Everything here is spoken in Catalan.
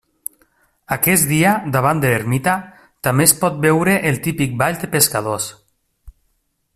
Aquest dia, davant de l'ermita, també es pot veure el típic ball de pescadors.